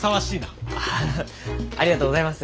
アハハありがとうございます。